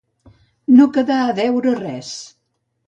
No quedar a deure res.